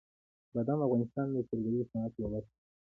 بادام د افغانستان د سیلګرۍ د صنعت یوه برخه ده.